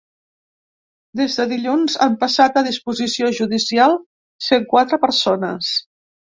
Des de dilluns, han passat a disposició judicial cent quatre persones.